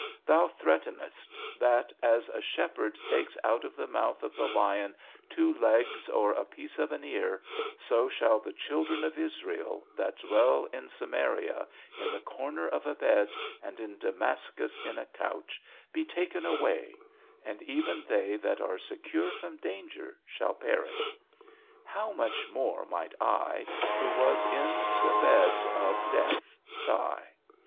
Thou threatenest, that _as a shepherd takes out of the mouth of the lion two legs, or a piece of an ear, so shall the children of Israel, that dwell in Samaria, in the corner of a bed, and in Damascus, in a couch, be taken away_; and even they that are secure from danger shall perish. How much more might I, who was in the bed of death, die?